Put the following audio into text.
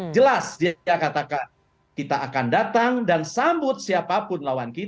jelas dia katakan kita akan datang dan sambut siapapun